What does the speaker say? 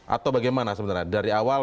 atau bagaimana sebenarnya dari awal